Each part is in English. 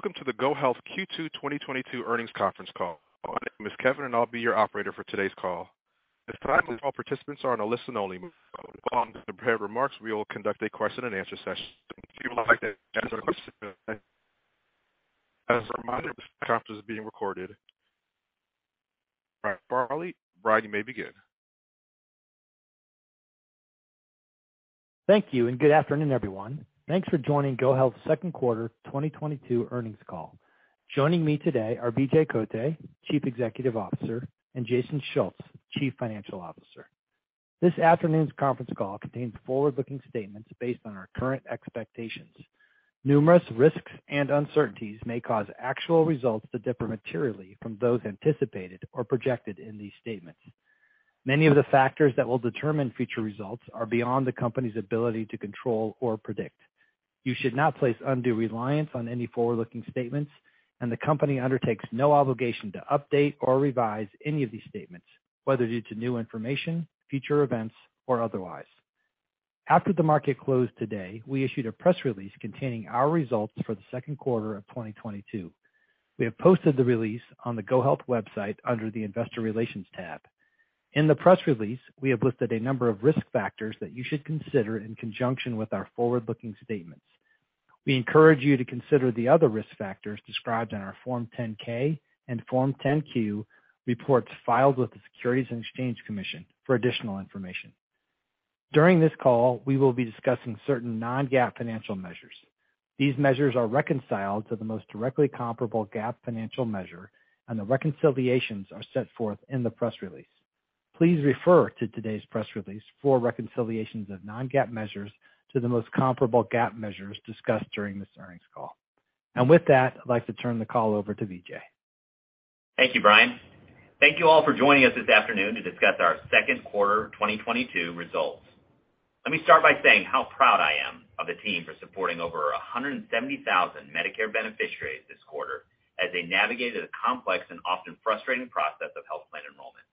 Welcome to the GoHealth Q2 2022 Earnings Conference Call. My name is Kevin, and I'll be your operator for today's call. At this time, all participants are on a listen-only. Following the prepared remarks, we will conduct a question and answer session. As a reminder, this conference is being recorded. Brian Farley, you may begin. Thank you, and good afternoon, everyone. Thanks for joining GoHealth second quarter 2022 earnings call. Joining me today are Vijay Kotte, Chief Executive Officer, and Jason Schulz, Chief Financial Officer. This afternoon's conference call contains forward-looking statements based on our current expectations. Numerous risks and uncertainties may cause actual results to differ materially from those anticipated or projected in these statements. Many of the factors that will determine future results are beyond the company's ability to control or predict. You should not place undue reliance on any forward-looking statements, and the company undertakes no obligation to update or revise any of these statements, whether due to new information, future events, or otherwise. After the market closed today, we issued a press release containing our results for the second quarter of 2022. We have posted the release on the GoHealth website under the Investor Relations tab. In the press release, we have listed a number of risk factors that you should consider in conjunction with our forward-looking statements. We encourage you to consider the other risk factors described in our Form 10-K and Form 10-Q reports filed with the Securities and Exchange Commission for additional information. During this call, we will be discussing certain non-GAAP financial measures. These measures are reconciled to the most directly comparable GAAP financial measure, and the reconciliations are set forth in the press release. Please refer to today's press release for reconciliations of non-GAAP measures to the most comparable GAAP measures discussed during this earnings call. With that, I'd like to turn the call over to Vijay. Thank you, Brian. Thank you all for joining us this afternoon to discuss our second quarter 2022 results. Let me start by saying how proud I am of the team for supporting over 170,000 Medicare beneficiaries this quarter as they navigated a complex and often frustrating process of health plan enrollment.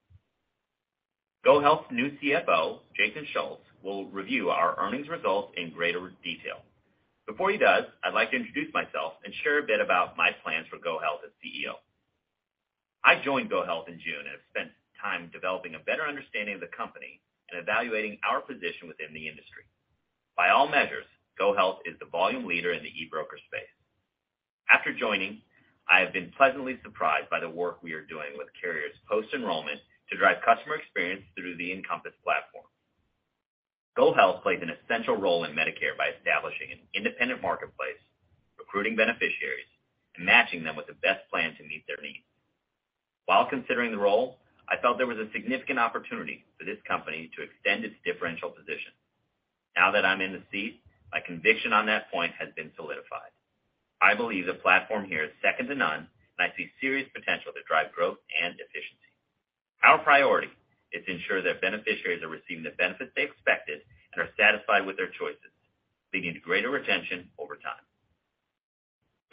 GoHealth's new CFO, Jason Schulz, will review our earnings results in greater detail. Before he does, I'd like to introduce myself and share a bit about my plans for GoHealth as CEO. I joined GoHealth in June and have spent time developing a better understanding of the company and evaluating our position within the industry. By all measures, GoHealth is the volume leader in the e-broker space. After joining, I have been pleasantly surprised by the work we are doing with carriers post-enrollment to drive customer experience through the Encompass platform. GoHealth plays an essential role in Medicare by establishing an independent marketplace, recruiting beneficiaries, and matching them with the best plan to meet their needs. While considering the role, I felt there was a significant opportunity for this company to extend its differential position. Now that I'm in the seat, my conviction on that point has been solidified. I believe the platform here is second to none, and I see serious potential to drive growth and efficiency. Our priority is to ensure that beneficiaries are receiving the benefits they expected and are satisfied with their choices, leading to greater retention over time.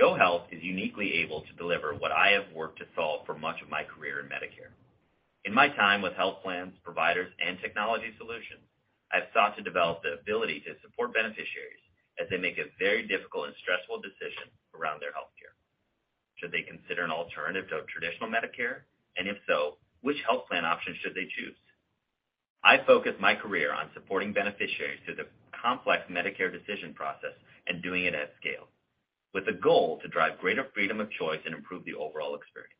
GoHealth is uniquely able to deliver what I have worked to solve for much of my career in Medicare. In my time with health plans, providers, and technology solutions, I've sought to develop the ability to support beneficiaries as they make a very difficult and stressful decision around their healthcare. Should they consider an alternative to traditional Medicare? And if so, which health plan option should they choose? I focus my career on supporting beneficiaries through the complex Medicare decision process and doing it at scale, with a goal to drive greater freedom of choice and improve the overall experience.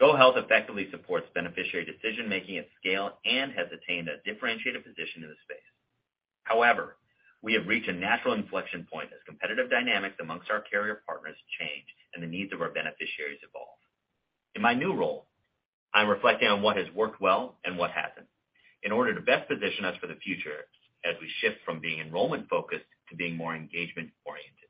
GoHealth effectively supports beneficiary decision-making at scale and has attained a differentiated position in the space. However, we have reached a natural inflection point as competitive dynamics amongst our carrier partners change and the needs of our beneficiaries evolve. In my new role, I'm reflecting on what has worked well and what hasn't in order to best position us for the future as we shift from being enrollment-focused to being more engagement-oriented.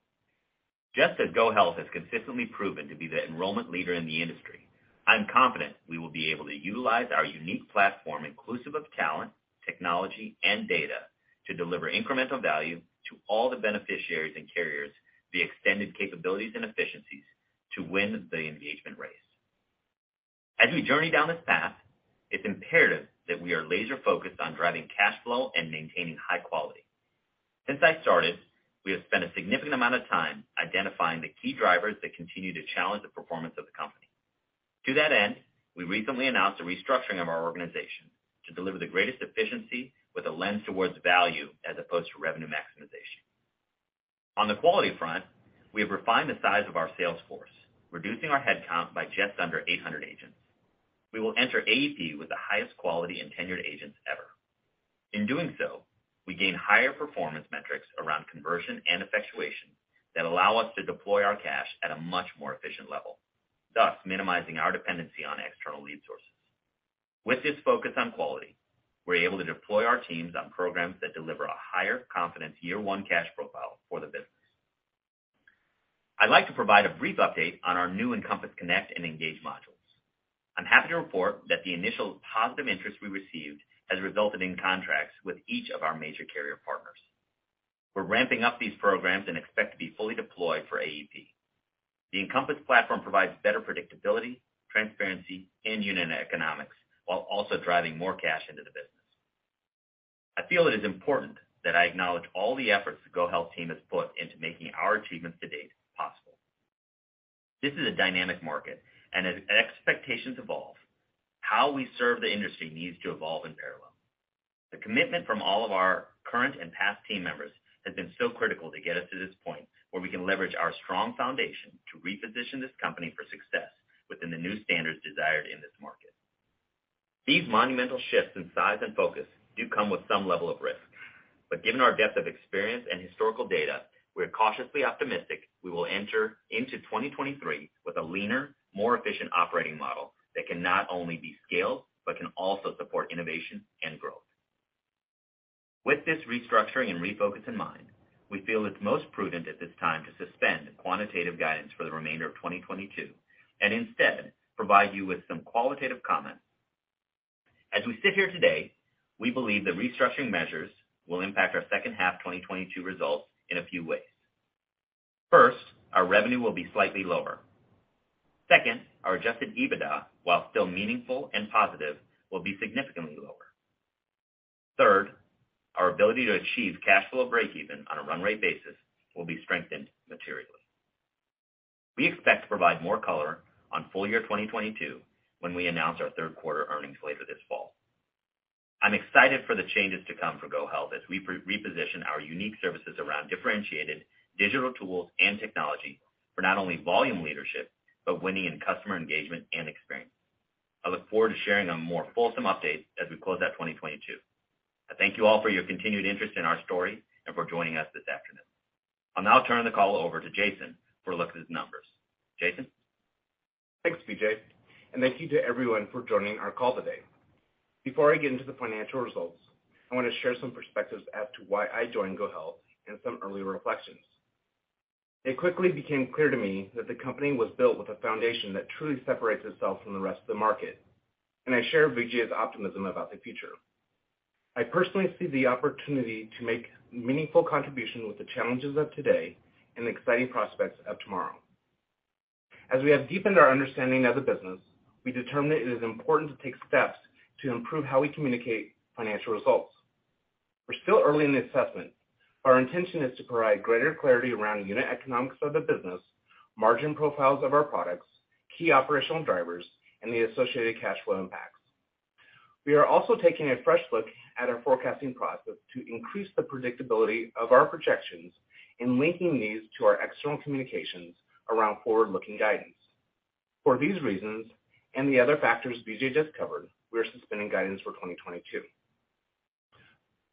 Just as GoHealth has consistently proven to be the enrollment leader in the industry, I'm confident we will be able to utilize our unique platform, inclusive of talent, technology, and data, to deliver incremental value to all the beneficiaries and carriers the extended capabilities and efficiencies to win the engagement race. As we journey down this path, it's imperative that we are laser-focused on driving cash flow and maintaining high quality. Since I started, we have spent a significant amount of time identifying the key drivers that continue to challenge the performance of the company. To that end, we recently announced a restructuring of our organization to deliver the greatest efficiency with a lens towards value as opposed to revenue maximization. On the quality front, we have refined the size of our sales force, reducing our headcount by just under 800 agents. We will enter AEP with the highest quality and tenured agents ever. In doing so, we gain higher performance metrics around conversion and effectuation that allow us to deploy our cash at a much more efficient level, thus minimizing our dependency on external lead sources. With this focus on quality, we're able to deploy our teams on programs that deliver a higher confidence year-one cash profile for the business. I'd like to provide a brief update on our new Encompass Connect and Engage modules. I'm happy to report that the initial positive interest we received has resulted in contracts with each of our major carrier partners. We're ramping up these programs and expect to be fully deployed for AEP. The Encompass platform provides better predictability, transparency, and unit economics while also driving more cash into the business. I feel it is important that I acknowledge all the efforts the GoHealth team has put into making our achievements to date possible. This is a dynamic market, and as expectations evolve, how we serve the industry needs to evolve in parallel. The commitment from all of our current and past team members has been so critical to get us to this point where we can leverage our strong foundation to reposition this company for success within the new standards desired in this market. These monumental shifts in size and focus do come with some level of risk. Given our depth of experience and historical data, we're cautiously optimistic we will enter into 2023 with a leaner, more efficient operating model that can not only be scaled, but can also support innovation and growth. With this restructuring and refocus in mind, we feel it's most prudent at this time to suspend quantitative guidance for the remainder of 2022, and instead provide you with some qualitative comments. As we sit here today, we believe the restructuring measures will impact our second half 2022 results in a few ways. First, our revenue will be slightly lower. Second, our adjusted EBITDA, while still meaningful and positive, will be significantly lower. Third, our ability to achieve cash flow breakeven on a run rate basis will be strengthened materially. We expect to provide more color on full year 2022 when we announce our third quarter earnings later this fall. I'm excited for the changes to come for GoHealth as we reposition our unique services around differentiated digital tools and technology for not only volume leadership, but winning in customer engagement and experience. I look forward to sharing a more fulsome update as we close out 2022. I thank you all for your continued interest in our story and for joining us this afternoon. I'll now turn the call over to Jason for a look at his numbers. Jason? Thanks, Vijay, and thank you to everyone for joining our call today. Before I get into the financial results, I want to share some perspectives as to why I joined GoHealth and some early reflections. It quickly became clear to me that the company was built with a foundation that truly separates itself from the rest of the market, and I share Vijay's optimism about the future. I personally see the opportunity to make meaningful contributions with the challenges of today and the exciting prospects of tomorrow. As we have deepened our understanding of the business, we determined it is important to take steps to improve how we communicate financial results. We're still early in the assessment, but our intention is to provide greater clarity around unit economics of the business, margin profiles of our products, key operational drivers, and the associated cash flow impacts. We are also taking a fresh look at our forecasting process to increase the predictability of our projections in linking these to our external communications around forward-looking guidance. For these reasons, and the other factors Vijay just covered, we are suspending guidance for 2022.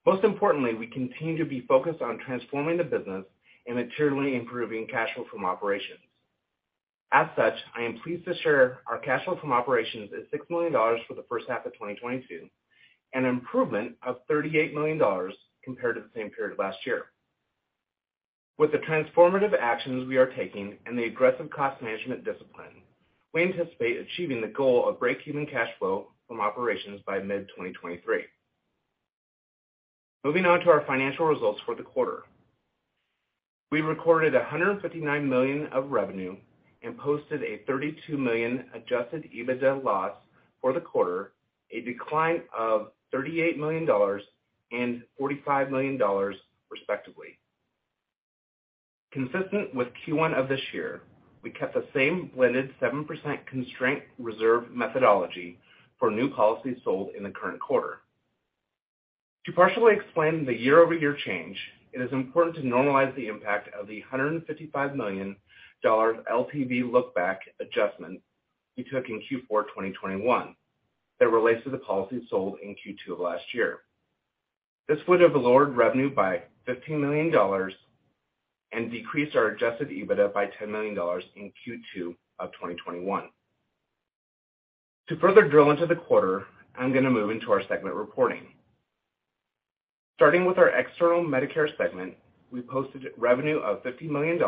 Most importantly, we continue to be focused on transforming the business and materially improving cash flow from operations. As such, I am pleased to share our cash flow from operations is $6 million for the first half of 2022, an improvement of $38 million compared to the same period last year. With the transformative actions we are taking and the aggressive cost management discipline, we anticipate achieving the goal of breakeven cash flow from operations by mid-2023. Moving on to our financial results for the quarter. We recorded $159 million of revenue and posted a $32 million adjusted EBITDA loss for the quarter, a decline of $38 million and $45 million, respectively. Consistent with Q1 of this year, we kept the same blended 7% constraint reserve methodology for new policies sold in the current quarter. To partially explain the year-over-year change, it is important to normalize the impact of the $155 million LTV look-back adjustment we took in Q4 2021 that relates to the policy sold in Q2 of last year. This would have lowered revenue by $15 million and decreased our adjusted EBITDA by $10 million in Q2 of 2021. To further drill into the quarter, I'm gonna move into our segment reporting. Starting with our external Medicare segment, we posted revenue of $50 million,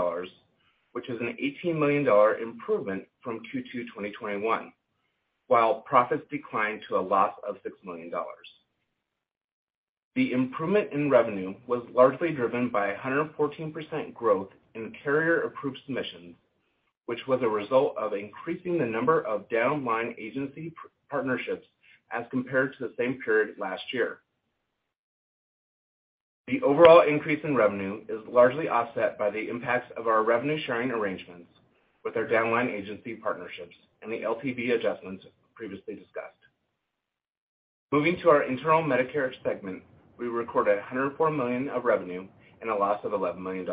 which is an $18 million improvement from Q2 2021, while profits declined to a loss of $6 million. The improvement in revenue was largely driven by 114% growth in carrier-approved submissions, which was a result of increasing the number of downline agency partnerships as compared to the same period last year. The overall increase in revenue is largely offset by the impacts of our revenue sharing arrangements with our downline agency partnerships and the LTV adjustments previously discussed. Moving to our internal Medicare segment, we recorded $104 million of revenue and a loss of $11 million.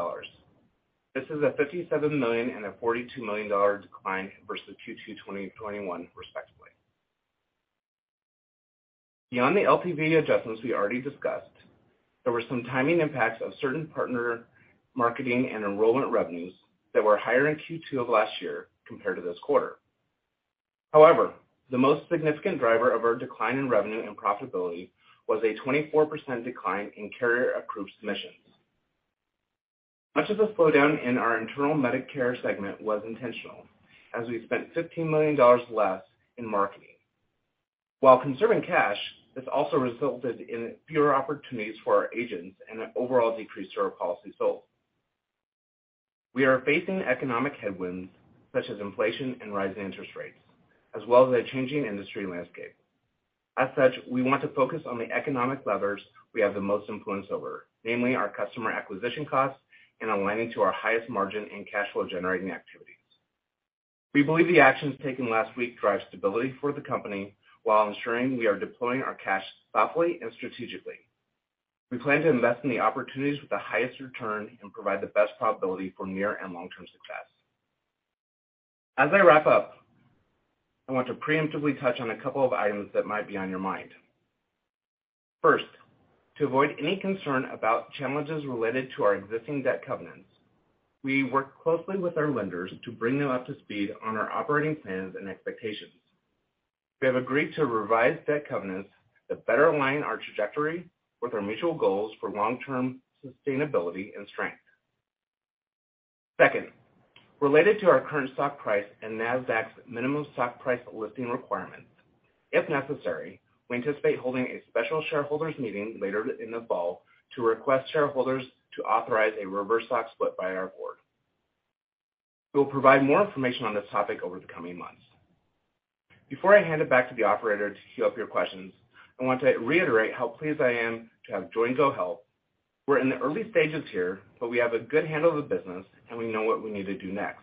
This is a $57 million and a $42 million dollar decline versus Q2 2021, respectively. Beyond the LTV adjustments we already discussed, there were some timing impacts of certain partner marketing and enrollment revenues that were higher in Q2 of last year compared to this quarter. However, the most significant driver of our decline in revenue and profitability was a 24% decline in carrier-approved submissions. Much of the slowdown in our internal Medicare segment was intentional, as we spent $15 million less in marketing. While conserving cash, this also resulted in fewer opportunities for our agents and an overall decrease to our policy sold. We are facing economic headwinds such as inflation and rising interest rates, as well as a changing industry landscape. As such, we want to focus on the economic levers we have the most influence over, namely our customer acquisition costs and aligning to our highest margin and cash flow generating activities. We believe the actions taken last week drive stability for the company while ensuring we are deploying our cash thoughtfully and strategically. We plan to invest in the opportunities with the highest return and provide the best probability for near and long-term success. As I wrap up, I want to preemptively touch on a couple of items that might be on your mind. First, to avoid any concern about challenges related to our existing debt covenants, we work closely with our lenders to bring them up to speed on our operating plans and expectations. We have agreed to revise debt covenants that better align our trajectory with our mutual goals for long-term sustainability and strength. Second, related to our current stock price and Nasdaq's minimum stock price listing requirements, if necessary, we anticipate holding a special shareholders meeting later in the fall to request shareholders to authorize a reverse stock split by our board. We will provide more information on this topic over the coming months. Before I hand it back to the operator to queue up your questions, I want to reiterate how pleased I am to have joined GoHealth. We're in the early stages here, but we have a good handle on the business, and we know what we need to do next.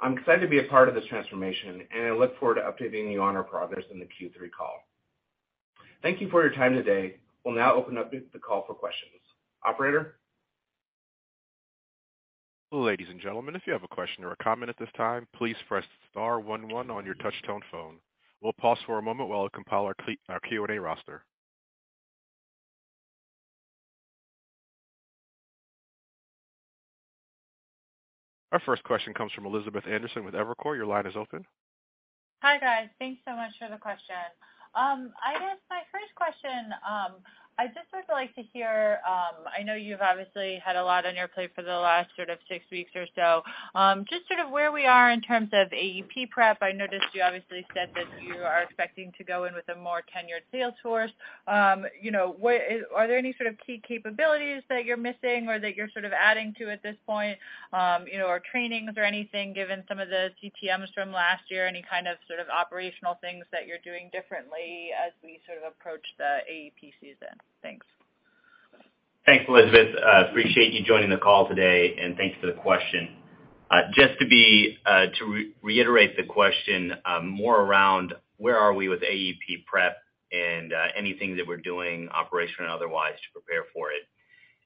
I'm excited to be a part of this transformation, and I look forward to updating you on our progress in the Q3 call. Thank you for your time today. We'll now open up the call for questions. Operator? Ladies and gentlemen, if you have a question or a comment at this time, please press star one one on your touch-tone phone. We'll pause for a moment while it compiles our Q&A roster. Our first question comes from Elizabeth Anderson with Evercore. Your line is open. Hi, guys. Thanks so much for the question. I guess my first question, I'd just like to hear, I know you've obviously had a lot on your plate for the last sort of six weeks or so, just sort of where we are in terms of AEP prep. I noticed you obviously said that you are expecting to go in with a more tenured sales force. You know, are there any sort of key capabilities that you're missing or that you're sort of adding to at this point, you know, or trainings or anything, given some of the CTMs from last year, any kind of sort of operational things that you're doing differently as we sort of approach the AEP season? Thanks. Thanks, Elizabeth. Appreciate you joining the call today, and thanks for the question. Just to reiterate the question, more around where are we with AEP prep and anything that we're doing operational or otherwise to prepare for it.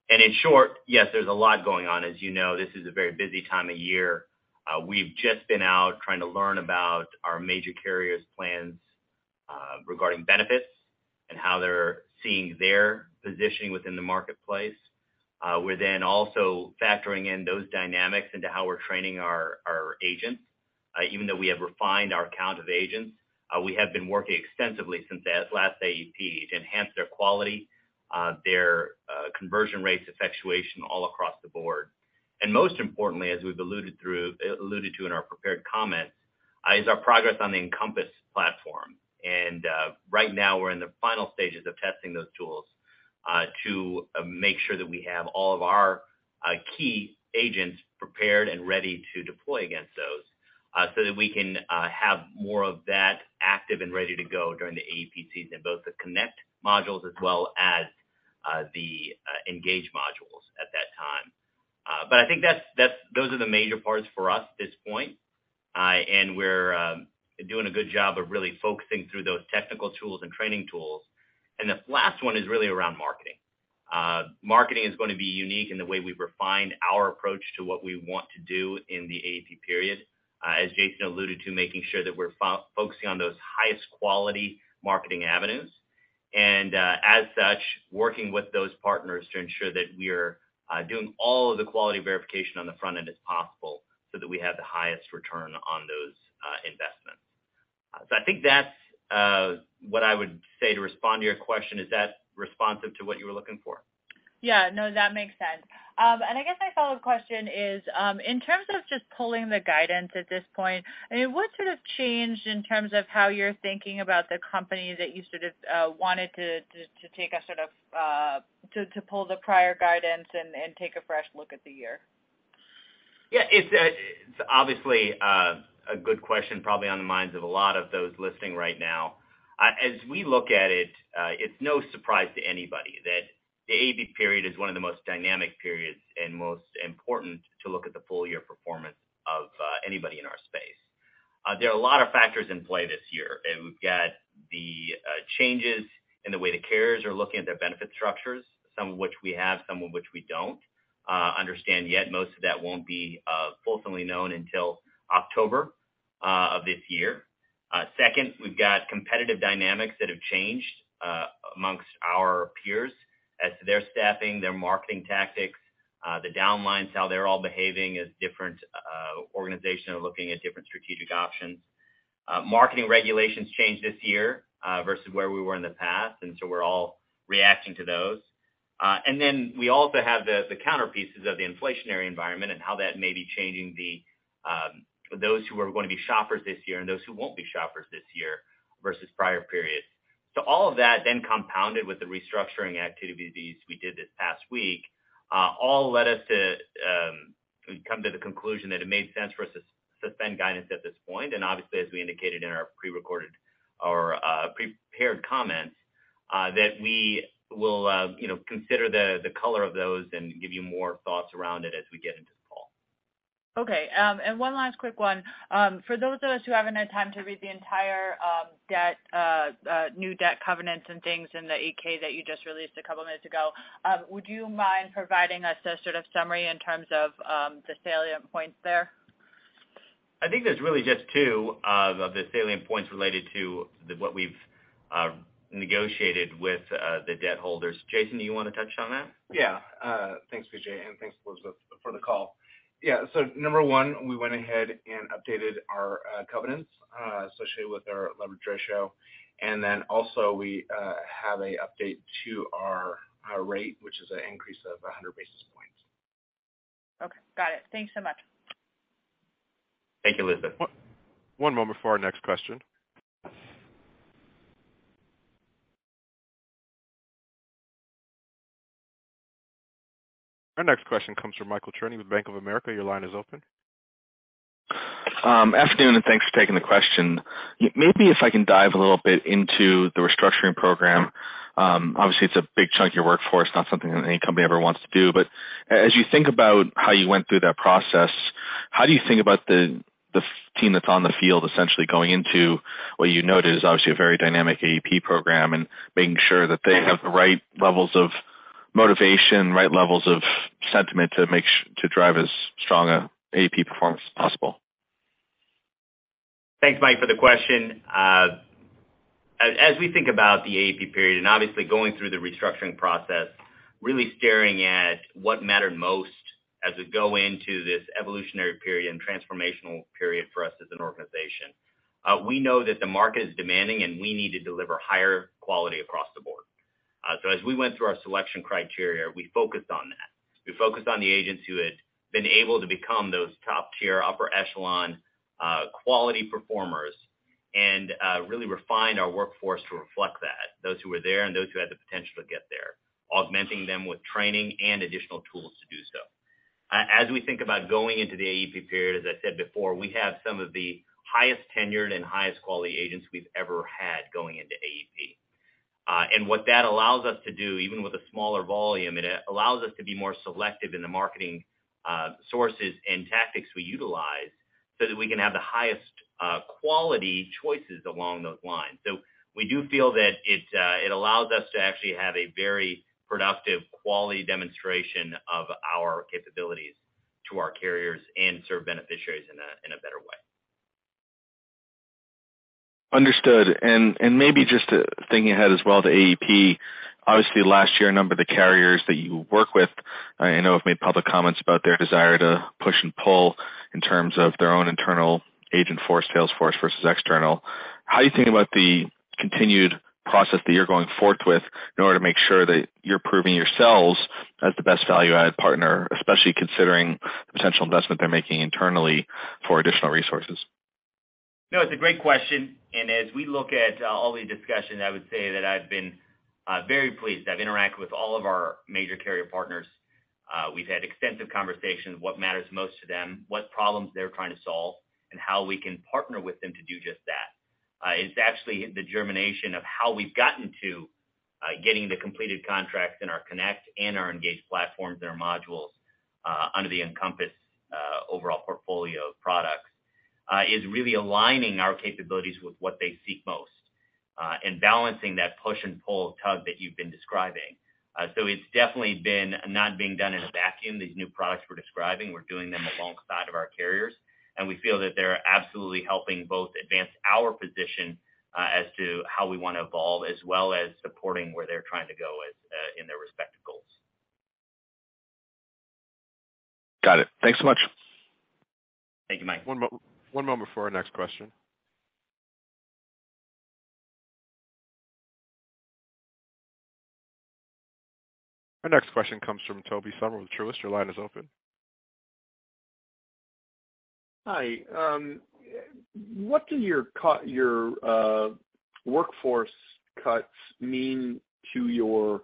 In short, yes, there's a lot going on. As you know, this is a very busy time of year. We've just been out trying to learn about our major carriers' plans regarding benefits and how they're seeing their positioning within the marketplace. We're then also factoring in those dynamics into how we're training our agents. Even though we have refined our count of agents, we have been working extensively since that last AEP to enhance their quality, their conversion rates, effectuation all across the board. Most importantly, as we've alluded to in our prepared comments, is our progress on the Encompass platform. Right now we're in the final stages of testing those tools, to make sure that we have all of our key agents prepared and ready to deploy against those, so that we can have more of that active and ready to go during the AEP season, both the Connect modules as well as the Engage modules at that time. I think those are the major parts for us at this point. We're doing a good job of really focusing through those technical tools and training tools. The last one is really around marketing. Marketing is going to be unique in the way we refine our approach to what we want to do in the AEP period, as Jason alluded to, making sure that we're focusing on those highest quality marketing avenues. As such, working with those partners to ensure that we're doing all of the quality verification on the front end as possible so that we have the highest return on those investments. I think that's what I would say to respond to your question. Is that responsive to what you were looking for? Yeah. No, that makes sense. I guess my follow-up question is, in terms of just pulling the guidance at this point, I mean, what sort of changed in terms of how you're thinking about the company that you sort of wanted to pull the prior guidance and take a fresh look at the year? Yeah, it's obviously a good question, probably on the minds of a lot of those listening right now. As we look at it's no surprise to anybody that the AEP period is one of the most dynamic periods and most important to look at the full year performance of anybody in our space. There are a lot of factors in play this year. We've got the changes in the way the carriers are looking at their benefit structures, some of which we have, some of which we don't understand yet. Most of that won't be fully known until October of this year. Second, we've got competitive dynamics that have changed among our peers as to their staffing, their marketing tactics, the downlines, how they're all behaving as different organizations are looking at different strategic options. Marketing regulations changed this year versus where we were in the past, and so we're all reacting to those. We also have the counter pieces of the inflationary environment and how that may be changing those who are going to be shoppers this year and those who won't be shoppers this year versus prior periods. All of that then compounded with the restructuring activities we did this past week all led us to come to the conclusion that it made sense for us to suspend guidance at this point. Obviously, as we indicated in our pre-recorded or prepared comments, that we will, you know, consider the color of those and give you more thoughts around it as we get into the call. Okay. One last quick one. For those of us who haven't had time to read the entire new debt covenants and things in the 10-K that you just released a couple minutes ago, would you mind providing us a sort of summary in terms of the salient points there? I think there's really just two of the salient points related to what we've negotiated with the debt holders. Jason, do you wanna touch on that? Yeah. Thanks, Vijay, and thanks, Elizabeth, for the call. Yeah. Number one, we went ahead and updated our covenants associated with our leverage ratio. We have an update to our rate, which is an increase of 100 basis points. Okay. Got it. Thanks so much. Thank you, Elizabeth. One moment for our next question. Our next question comes from Michael Cherny with Bank of America. Your line is open. Afternoon, thanks for taking the question. Maybe if I can dive a little bit into the restructuring program. Obviously, it's a big chunk of your workforce, not something that any company ever wants to do. As you think about how you went through that process, how do you think about the field team that's on the field essentially going into what you noted is obviously a very dynamic AEP program and making sure that they have the right levels of motivation, right levels of sentiment to make sure to drive as strong a AEP performance as possible? Thanks, Mike, for the question. As we think about the AEP period and obviously going through the restructuring process, really staring at what mattered most as we go into this evolutionary period and transformational period for us as an organization, we know that the market is demanding, and we need to deliver higher quality across the board. As we went through our selection criteria, we focused on that. We focused on the agents who had been able to become those top-tier, upper echelon, quality performers and really refined our workforce to reflect that, those who were there and those who had the potential to get there, augmenting them with training and additional tools to do so. As we think about going into the AEP period, as I said before, we have some of the highest tenured and highest quality agents we've ever had going into AEP. What that allows us to do, even with a smaller volume, it allows us to be more selective in the marketing sources and tactics we utilize so that we can have the highest quality choices along those lines. We do feel that it allows us to actually have a very productive quality demonstration of our capabilities to our carriers and serve beneficiaries in a better way. Understood. Maybe just thinking ahead as well to AEP, obviously last year, a number of the carriers that you work with, I know have made public comments about their desire to push and pull in terms of their own internal agent force, sales force versus external. How are you thinking about the continued process that you're going forth with in order to make sure that you're proving yourselves as the best value-added partner, especially considering the potential investment they're making internally for additional resources? No, it's a great question. As we look at all the discussions, I would say that I've been very pleased. I've interacted with all of our major carrier partners. We've had extensive conversations, what matters most to them, what problems they're trying to solve, and how we can partner with them to do just that. It's actually the germination of how we've gotten to getting the completed contracts in our Connect and our Engage platforms and our modules under the Encompass overall portfolio of products is really aligning our capabilities with what they seek most and balancing that push and pull tug that you've been describing. It's definitely been not being done in a vacuum, these new products we're describing. We're doing them alongside of our carriers, and we feel that they're absolutely helping both advance our position as to how we wanna evolve, as well as supporting where they're trying to go as in their respective goals. Got it. Thanks so much. Thank you, Michael. One moment for our next question. Our next question comes from Tobey Sommer with Truist. Your line is open. Hi. What do your workforce cuts mean to your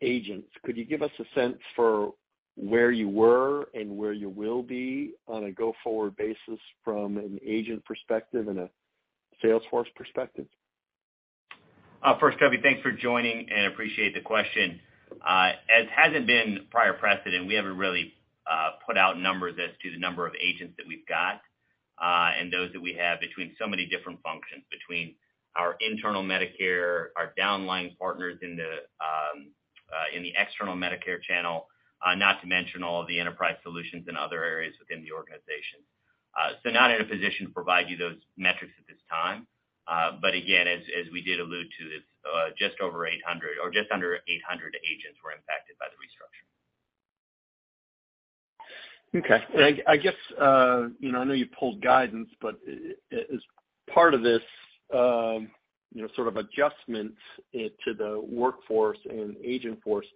agents? Could you give us a sense for where you were and where you will be on a go-forward basis from an agent perspective and a sales force perspective? First, Toby, thanks for joining, and appreciate the question. As hasn't been prior precedent, we haven't really put out numbers as to the number of agents that we've got, and those that we have between so many different functions, between our internal Medicare, our downline partners in the external Medicare channel, not to mention all of the enterprise solutions in other areas within the organization. Not in a position to provide you those metrics at this time. Again, as we did allude to, this just over 800 or just under 800 agents were impacted by the restructure. Okay. I guess, you know, I know you pulled guidance, but is part of this, you know, sort of adjustment to the workforce and agent force,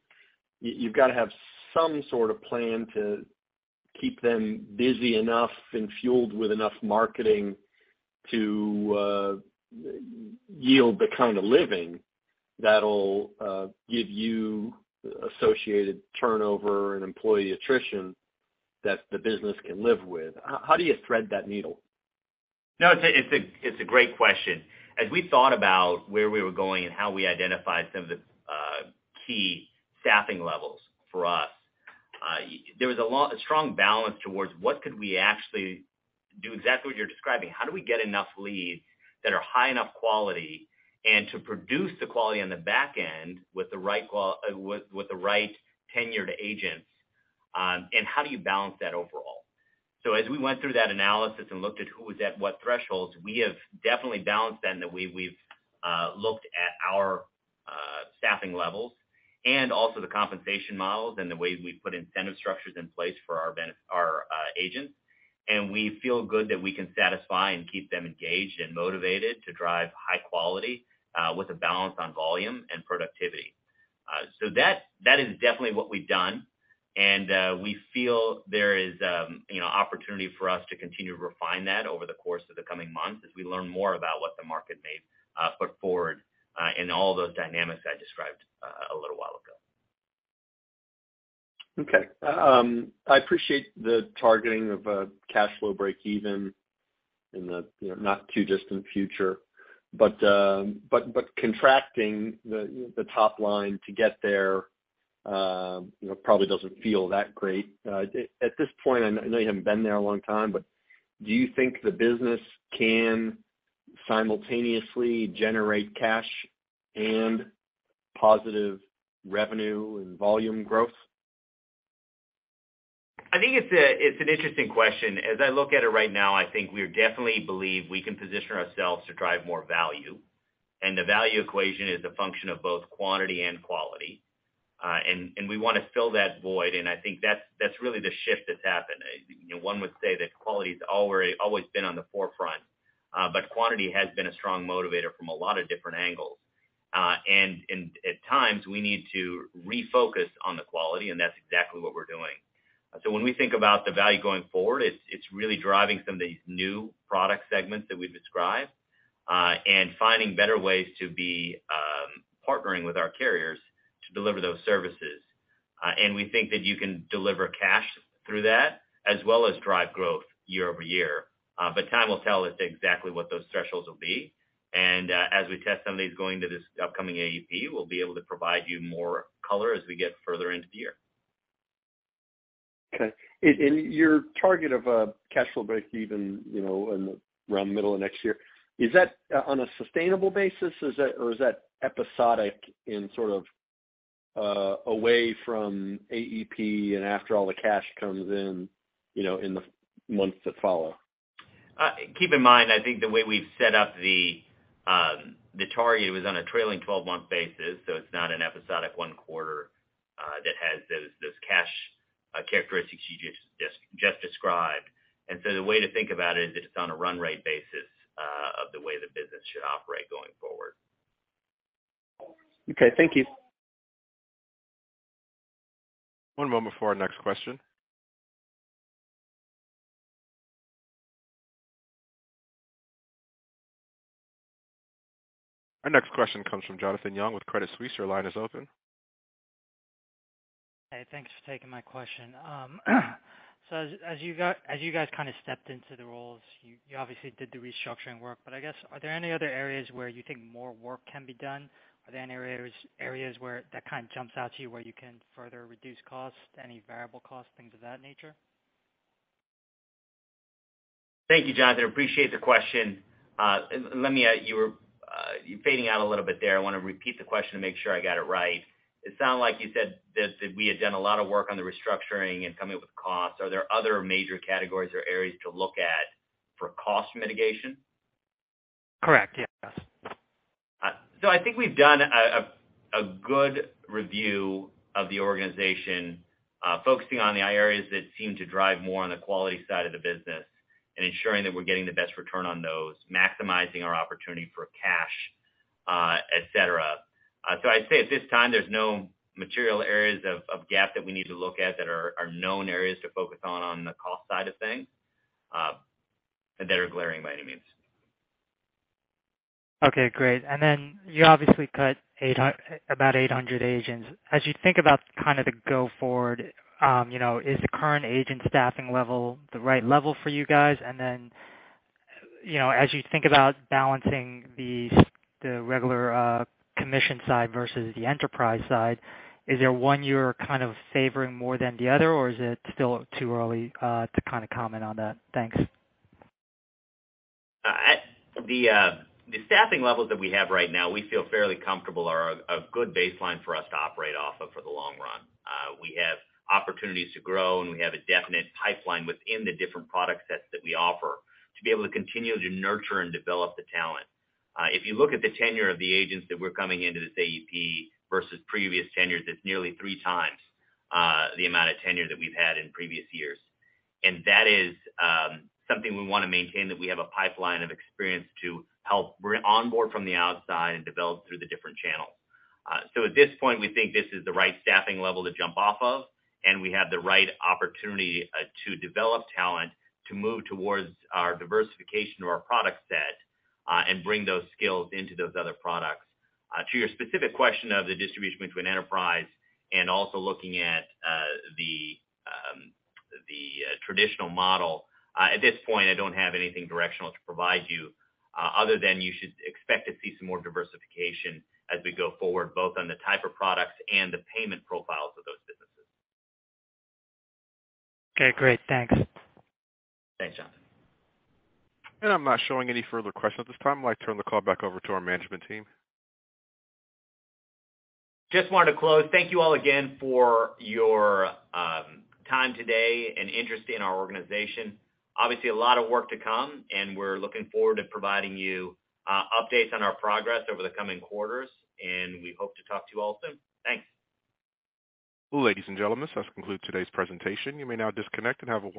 you've got to have some sort of plan to keep them busy enough and fueled with enough marketing to yield the kind of living that'll give you associated turnover and employee attrition that the business can live with. How do you thread that needle? No, it's a great question. As we thought about where we were going and how we identified some of the key staffing levels for us, there was a strong balance towards what could we actually do, exactly what you're describing. How do we get enough leads that are high enough quality, and to produce the quality on the back end with the right tenured agents, and how do you balance that overall? As we went through that analysis and looked at who was at what thresholds, we have definitely balanced then that we've looked at our staffing levels and also the compensation models and the ways we put incentive structures in place for our agents. We feel good that we can satisfy and keep them engaged and motivated to drive high quality with a balance on volume and productivity. That is definitely what we've done. We feel there is you know opportunity for us to continue to refine that over the course of the coming months as we learn more about what the market may put forward and all those dynamics I described a little while ago. Okay. I appreciate the targeting of a cash flow breakeven in the, you know, not too distant future. Contracting the top line to get there, you know, probably doesn't feel that great. At this point, I know you haven't been there a long time, but do you think the business can simultaneously generate cash and positive revenue and volume growth? I think it's an interesting question. As I look at it right now, I think we definitely believe we can position ourselves to drive more value, and the value equation is a function of both quantity and quality. We wanna fill that void, and I think that's really the shift that's happened. You know, one would say that quality's already always been on the forefront, but quantity has been a strong motivator from a lot of different angles. At times, we need to refocus on the quality, and that's exactly what we're doing. When we think about the value going forward, it's really driving some of these new product segments that we've described, and finding better ways to be partnering with our carriers to deliver those services. We think that you can deliver cash through that as well as drive growth year-over-year. Time will tell as to exactly what those thresholds will be. As we test some of these going into this upcoming AEP, we'll be able to provide you more color as we get further into the year. Okay. Your target of a cash flow breakeven, you know, in around the middle of next year, is that on a sustainable basis? Is that or is that episodic in sort of a way from AEP and after all the cash comes in, you know, in the months that follow? Keep in mind, I think the way we've set up the target was on a trailing 12-month basis, so it's not an episodic one quarter that has those cash characteristics you just described. The way to think about it is it's on a run rate basis of the way the business should operate going forward. Okay, thank you. One moment before our next question. Our next question comes from Jonathan Yong with Credit Suisse. Your line is open. Hey, thanks for taking my question. So as you guys kinda stepped into the roles, you obviously did the restructuring work, but I guess, are there any other areas where you think more work can be done? Are there any areas where that kind of jumps out to you where you can further reduce costs, any variable costs, things of that nature? Thank you, Jonathan. Appreciate the question. Let me. You were, you're fading out a little bit there. I wanna repeat the question to make sure I got it right. It sounded like you said that we had done a lot of work on the restructuring and coming up with costs. Are there other major categories or areas to look at for cost mitigation? Correct. Yes. I think we've done a good review of the organization, focusing on the areas that seem to drive more on the quality side of the business and ensuring that we're getting the best return on those, maximizing our opportunity for cash, et cetera. I'd say at this time, there's no material areas of gap that we need to look at that are known areas to focus on the cost side of things, that are glaring by any means. Okay, great. You obviously cut about 800 agents. As you think about kind of the go forward, you know, is the current agent staffing level the right level for you guys? You know, as you think about balancing the regular commission side versus the enterprise side, is there one you're kind of favoring more than the other, or is it still too early to kinda comment on that? Thanks. At the staffing levels that we have right now, we feel fairly comfortable are a good baseline for us to operate off of for the long run. We have opportunities to grow, and we have a definite pipeline within the different product sets that we offer to be able to continue to nurture and develop the talent. If you look at the tenure of the agents that we're coming into this AEP versus previous tenures, it's nearly 3x the amount of tenure that we've had in previous years. That is something we wanna maintain, that we have a pipeline of experience to help bring on board from the outside and develop through the different channels. At this point, we think this is the right staffing level to jump off of, and we have the right opportunity to develop talent to move towards our diversification of our product set, and bring those skills into those other products. To your specific question of the distribution between enterprise and also looking at the traditional model, at this point, I don't have anything directional to provide you, other than you should expect to see some more diversification as we go forward, both on the type of products and the payment profiles of those businesses. Okay, great. Thanks. Thanks, Jonathan. I'm not showing any further questions at this time. I'd like to turn the call back over to our management team. Just wanted to close. Thank you all again for your time today and interest in our organization. Obviously, a lot of work to come, and we're looking forward to providing you updates on our progress over the coming quarters, and we hope to talk to you all soon. Thanks. Ladies and gentlemen, this does conclude today's presentation. You may now disconnect and have a wonderful day.